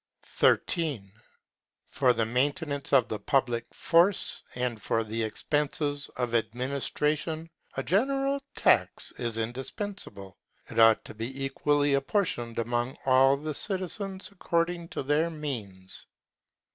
13. For the maintenance of the public force and for the expenses of administration a general tax is indispensable ; it ought to be equally apportioned among all the citizens accord ing to their means.